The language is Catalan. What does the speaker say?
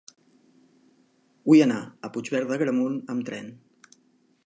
Vull anar a Puigverd d'Agramunt amb tren.